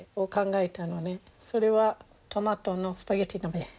それはトマトのスパゲッティ鍋。